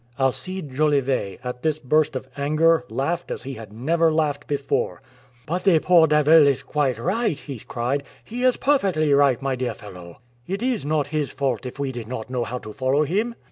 Alcide Jolivet, at this burst of anger, laughed as he had never laughed before. "But the poor devil is quite right!" he cried. "He is perfectly right, my dear fellow. It is not his fault if we did not know how to follow him!"